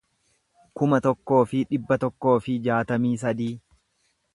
kuma tokkoo fi dhibba tokkoo fi jaatamii sadii